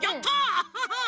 アッハハ！